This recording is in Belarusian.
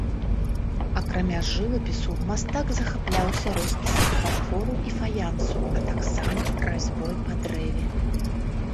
Акрамя жывапісу, мастак захапляўся роспісам фарфору і фаянсу, а таксама разьбой па дрэве.